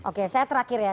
oke saya terakhir ya